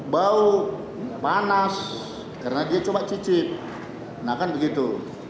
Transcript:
bau panas karena dia coba cicip nah kan begitu